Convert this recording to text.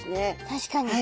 確かに。